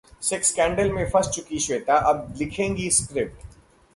sex scandal में फंस चुकीं श्वेता अब लिखेंगी स्क्रिप्ट